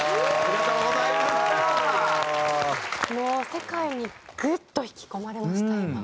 世界にグッと引き込まれました今。